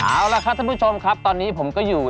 เอาล่ะครับท่านผู้ชมครับตอนนี้ผมก็อยู่